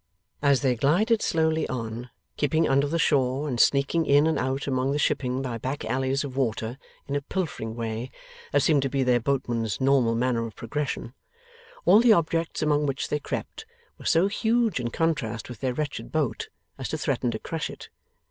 As they glided slowly on, keeping under the shore and sneaking in and out among the shipping by back alleys of water, in a pilfering way that seemed to be their boatman's normal manner of progression, all the objects among which they crept were so huge in contrast with their wretched boat, as to threaten to crush it.